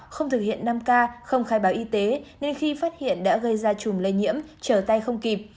phát hiện năm ca không khai báo y tế nên khi phát hiện đã gây ra chùm lây nhiễm trở tay không kịp